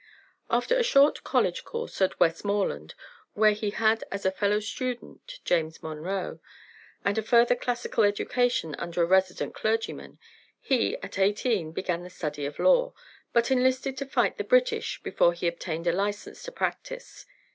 After a short college course at West Moreland, where he had as a fellow student James Monroe, and a further classical education under a resident clergyman; he, at eighteen, began the study of law, but enlisted to fight the British before he obtained a license to practice.